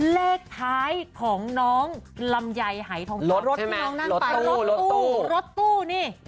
เลขท้ายของน้องลำไยหายทงคำรถตู้รถตู้นี่๙๗